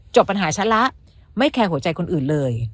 ปัญหาฉันละไม่แคร์หัวใจคนอื่นเลย